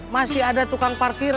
masih ada tukang parkir